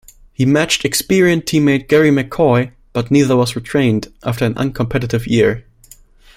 He matched experienced team-mate Garry McCoy, but neither was retained after an uncompetitive year.